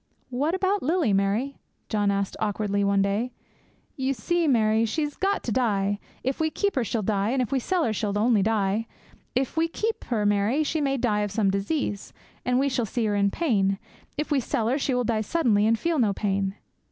'What about Lily, Mary?' John asked awkwardly one day. 'You see, Mary, she's got to die. If we keep her, she'll die. And if we sell her, she'll only die. If we keep her, Mary, she may die of some disease, and we shall see her in pain. If we sell her, she will die suddenly, and feel no pain.